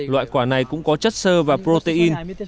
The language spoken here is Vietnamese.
loại quả này cũng có chất sơ và protein